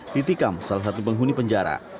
titikam salah satu penghuni penjara